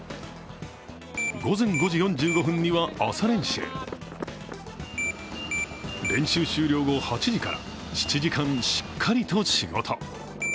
午前５時４５分には朝練習練習終了後、８時から７時間しっかりと仕事。